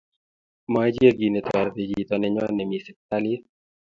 Moicher kiy netoriti chito nenyoo nemii siptalit